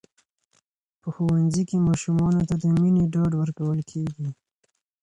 په ښوونځي کې ماشومانو ته د مینې ډاډ ورکول کېږي.